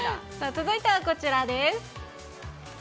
続いてはこちらです。